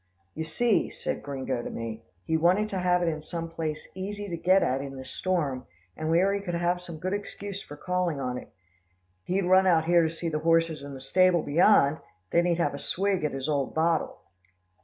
"You see," said Gringo to me, "he wanted to have it in some place easy to get at in this storm, and where he could have some good excuse for calling on it. He'd run out here to see the horses in the stable beyond, then he'd have a swig at his old bottle."